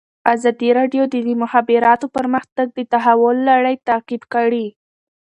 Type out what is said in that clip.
ازادي راډیو د د مخابراتو پرمختګ د تحول لړۍ تعقیب کړې.